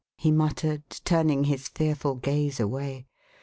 " he muttered, turning his fearful gaze away.